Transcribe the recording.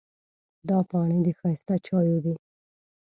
دا پاڼې د ښایسته چایو دي.